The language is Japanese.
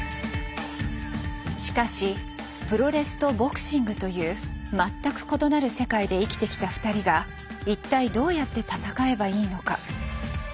しかしプロレスとボクシングという全く異なる世界で生きてきた二人が一体どうやって戦えばいいのか。